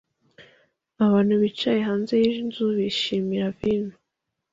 Abantu bicaye hanze yinzu bishimira vino